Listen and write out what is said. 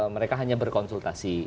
mereka hanya berkonsultasi